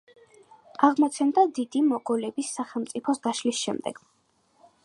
აღმოცენდა დიდი მოგოლების სახელმწიფოს დაშლის შემდეგ.